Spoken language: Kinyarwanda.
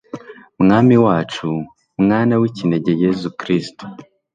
mwami wacu, mwana w'ikinege yezu kristu